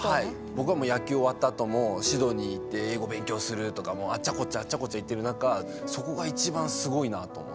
僕はもう野球終わったあともシドニー行って英語勉強するとかもあっちゃこっちゃあっちゃこっちゃ行ってる中そこが一番すごいなと思って。